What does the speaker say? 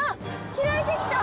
開いて来た！